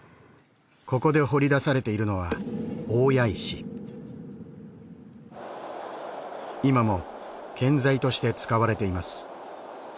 ここで掘り出されているのは今も建材として使われています。